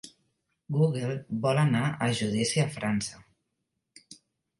Google vol anar a judici a França